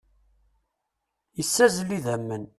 Issazzel idammen.